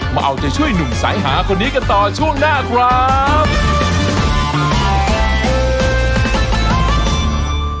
มาเอาใจช่วยหนุ่มสายหาคนนี้กันต่อช่วงหน้าครับ